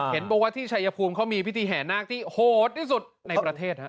เห็นบอกว่าที่ชายภูมิเขามีพิธีแห่นาคที่โหดที่สุดในประเทศฮะ